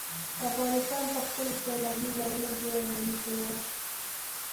افغانستان په خپلو سیلاني ځایونو ډېر غني هېواد دی.